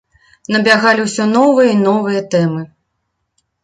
Набягалі ўсё новыя й новыя тэмы.